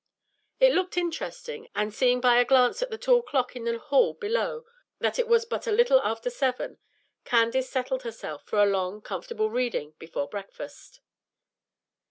It looked interesting, and, seeing by a glance at the tall clock in the hall below that it was but a little after seven, Candace settled herself for a long, comfortable reading before breakfast.